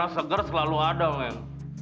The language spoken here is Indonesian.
dana segar selalu ada men